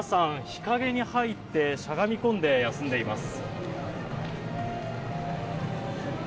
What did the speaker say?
日陰に入ってしゃがみ込んで休んでいます。